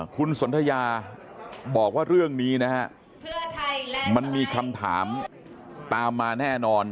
คุณสนทยาบอกว่าเรื่องนี้นะฮะมันมีคำถามตามมาแน่นอน